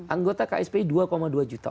anggota kspi dua dua juta